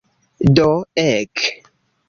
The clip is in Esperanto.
Do ek!